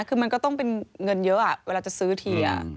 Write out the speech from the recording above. คือมันก็ต้องเป็นเงินเยอะเวลาจะซื้อที